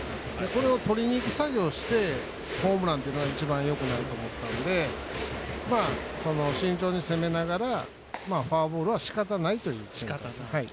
これをとりにいく作業をしてホームランっていうのが一番よくないと思うので慎重に攻めながらフォアボールはしかたないという。